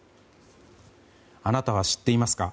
あなたは知っていますか？